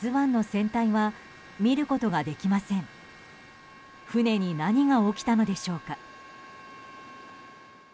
船に何が起きたのでしょうか。